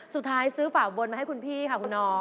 สุดท้ายซื้อฝาบนมาให้คุณพี่ค่ะคุณน้อง